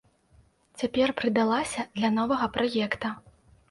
Цяпер прыдалася для новага праекта.